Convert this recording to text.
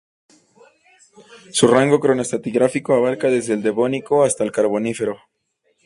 Su rango cronoestratigráfico abarca desde el Devónico hasta el Carbonífero.